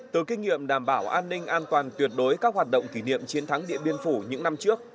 từ kinh nghiệm đảm bảo an ninh an toàn tuyệt đối các hoạt động kỷ niệm chiến thắng điện biên phủ những năm trước